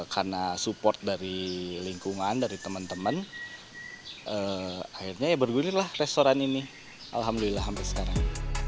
karena support dari lingkungan dari teman teman akhirnya ya bergulir lah restoran ini alhamdulillah sampai sekarang